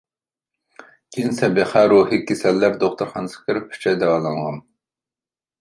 كېيىن سەبىخە روھىي كېسەللەر دوختۇرخانىسىغا كىرىپ ئۈچ ئاي داۋالانغان.